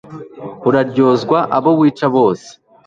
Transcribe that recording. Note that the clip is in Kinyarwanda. uraryozwa abo wica bose